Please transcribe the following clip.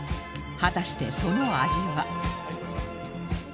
果たしてその味は？